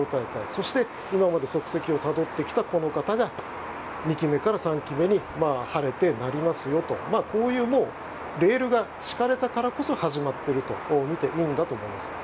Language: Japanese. そして、今まで足跡をたどってきたこの方が２期目から３期目に晴れて、なりますよとこういうレールが敷かれたからこそ始まっていると見ていいんだと思います。